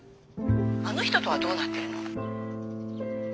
あの人とはどうなってるの？